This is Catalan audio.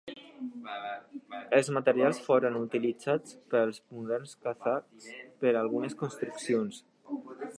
Els materials foren utilitzats pels moderns kazakhs per algunes construccions.